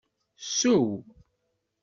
Ssew.